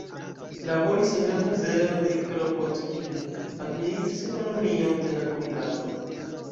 Laboris en la muzeo de Kropotkin, administris ekonomion de la komitato.